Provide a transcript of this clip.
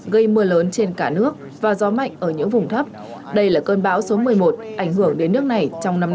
gây mưa lớn trên cả nước và gió mạnh ở những vùng thấp đây là cơn bão số một mươi một ảnh hưởng đến nước này trong năm nay